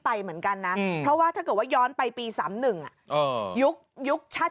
ไปเหมือนกันนะเพราะว่าถ้าเกิดว่าย้อนไปปี๓๑ยุคชาติ